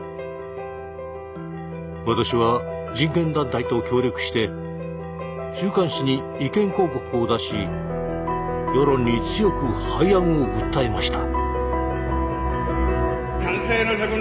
私は人権団体と協力して週刊誌に意見広告を出し世論に強く廃案を訴えました。